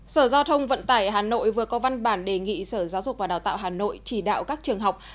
sở giao thông vận tải hà nội vừa có văn bản đề nghị sở giáo dục và đào tạo hà nội chỉ đạo các trường học